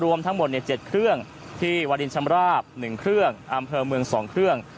รวมทั้งหมดเนี่ยเจ็ดเครื่องที่วดินชำราบหนึ่งเครื่องอำเภอเมืองสองเครื่อง